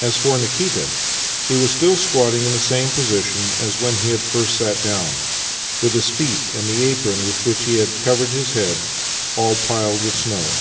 As for Nikita, he was still squatting in the same position as when he had first sat down, with his feet and the apron with which he had covered his head all piled with snow.